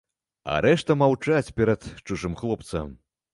А рэшта маўчаць перад чужым хлопцам.